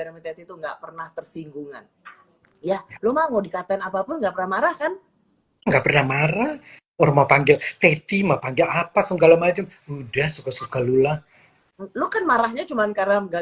dia teman bagi semua orang dan dia kalau mau diledekin apapun satu orangnya